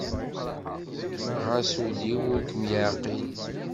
Ɣas ul-iw ur kem-yeɛqil.